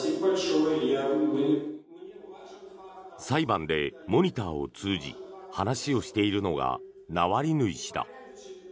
裁判でモニターを通じ話をしているのがナワリヌイ氏だ。